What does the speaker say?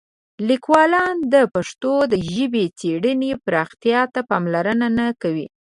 لیکوالان د پښتو د ژبني څېړنو پراختیا ته پاملرنه نه کوي.